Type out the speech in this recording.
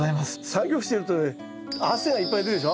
作業してるとね汗がいっぱい出るでしょ。